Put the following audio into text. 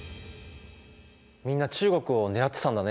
みんな中国を狙ってたんだね。